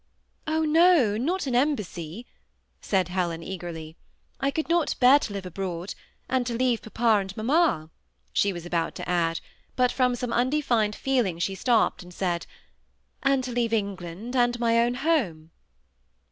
" Oh no ! not an embassy," said Helen, eagerly ;" I could not bear to live abroad, — and to leave papa and mamma," she was' about to add, but from some unde fined feeling she stopped and said, — ^^and to leave England and my own home."